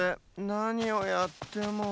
なにをやっても。